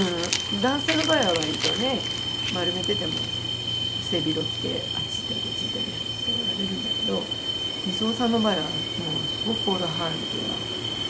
男性の場合はわりとね丸めてても背広着てあっち行ったりこっち行ったりやっておられるんだけど尼僧さんの場合はすごく行動半径は狭まりますよね。